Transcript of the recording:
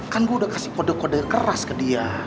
kan gue udah kasih kode kode keras ke dia